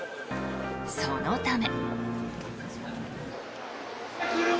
そのため。